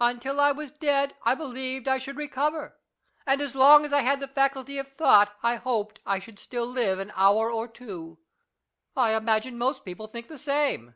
Until I was dead I believed I should recover, and as long as I had the faculty of thought I hoped I should still live an hour or two. I imagine most people think the same.